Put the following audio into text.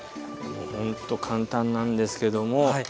ほんと簡単なんですけども。